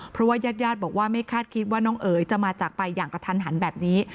เพราะว่าญาติญาติบอกว่าไม่คาดคิดว่าน้องเอ๋ยจะมาจากไปอย่างกระทันหันแบบนี้